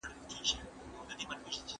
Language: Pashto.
زه به سبا نوی موبایل واخلم.